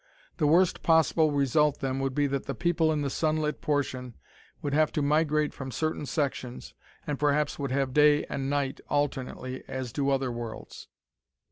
The worst possible result then would be that the people in the sunlit portion would have to migrate from certain sections, and perhaps would have day and night, alternately, as do other worlds.